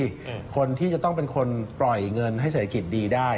และเราจะเป็นคนปล่อยเงินให้เศรษฐกิจดีได้